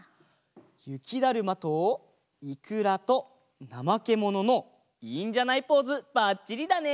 ゆきだるまといくらとなまけもののいいんじゃないポーズばっちりだね！